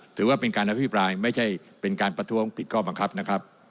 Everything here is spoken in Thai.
ถือว่าเป็นการอภิปรายไม่ใช่เป็นการประท้วงผิดข้อบังคับนะครับ